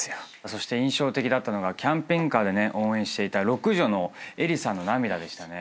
そして印象的だったのがキャンピングカーで応援していた六女の英里さんの涙でしたね。